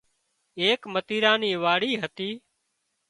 ايڪ متيران نِي واڙي هتي